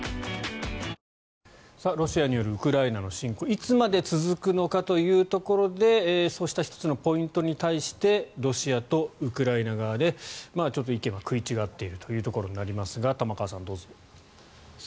いつまで続くのかというところでそうした１つのポイントに対してロシアとウクライナ側でちょっと意見は食い違っているというところになりますが玉川さん、どうぞ。